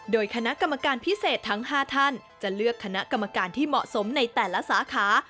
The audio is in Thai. โดยคณะกรรมการพิเศษทั้ง๕ท่านจะเลือกคณะกรรมการที่เหมาะสมในแต่ละสาขา